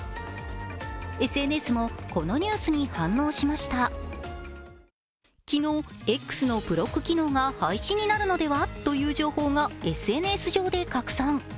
ＳＮＳもこのニュースに反応しました昨日、Ｘのブロック機能が廃止になるのではという情報がＳＮＳ上で拡散。